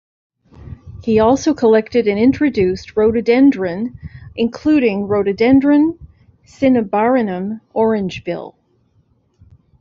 He also collected and introduced rhododendron including Rhododendron cinnabarinum 'Orange Bill'.